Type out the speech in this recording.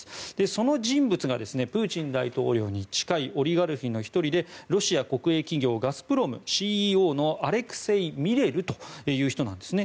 その人物がプーチン大統領に近いオリガルヒの１人でロシア国営企業ガスプロムＣＥＯのアレクセイ・ミレルという人なんですね。